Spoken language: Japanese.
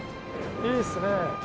いいっすね。